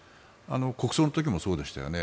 国葬の時もそうでしたよね。